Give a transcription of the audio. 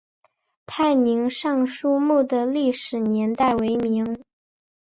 泰宁尚书墓的历史年代为明。